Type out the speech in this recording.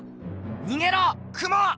にげろクモ！